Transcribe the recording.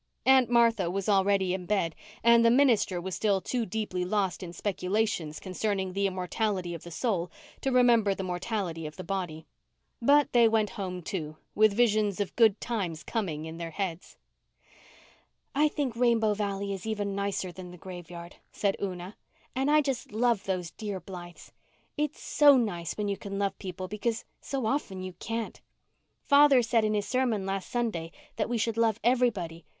Aunt Martha was already in bed and the minister was still too deeply lost in speculations concerning the immortality of the soul to remember the mortality of the body. But they went home, too, with visions of good times coming in their heads. "I think Rainbow Valley is even nicer than the graveyard," said Una. "And I just love those dear Blythes. It's so nice when you can love people because so often you can't. Father said in his sermon last Sunday that we should love everybody.